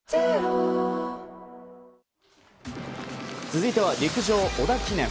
続いては陸上、織田記念。